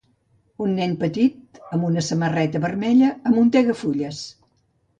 Un nen petit amb una samarreta vermella amuntega fulles.